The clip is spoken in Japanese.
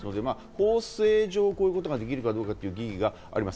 法制上こういうことができるかどうかということが一つあります。